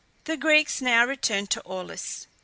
The Greeks now returned to Aulis.